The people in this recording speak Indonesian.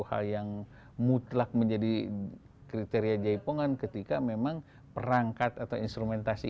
hal yang mutlak menjadi kriteria jaipongan ketika memang perangkat atau instrumentasi